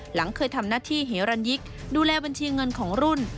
หลังเคยทำหน้าที่เหรันยิกดูแลบัญชีเงินของรุ่น